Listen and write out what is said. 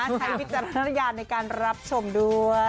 วิจารณญาณในการรับชมด้วย